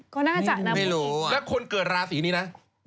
ก็น่าจะนำไม่รู้และคนเกิดราศีนี้นะ